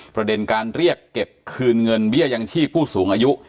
ประเด็นการเรียกเก็บคืนเงินเบี้ยยังชีพผู้สูงอายุ